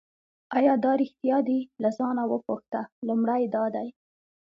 آیا دا ریښتیا دي له ځانه وپوښته لومړی دا دی.